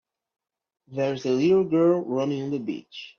There is a little girl running on the beach.